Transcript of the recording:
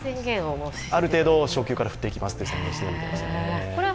ある程度、初球から振っていきますと宣言を。